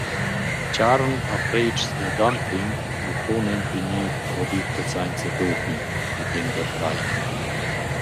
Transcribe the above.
Charn a predschs da dumping nu po nempe gnir prodütta sainza doping, pretenda Frey.